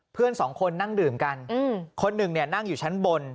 เพื่อนสองคนนั่งดื่มกันคนหนึ่งเนี่ยนั่งอยู่ชั้นบน